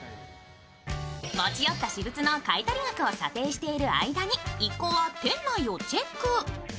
持ち寄った私物の買い取り額を査定している間に一行は店内をチェック。